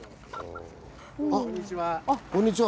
こんにちは。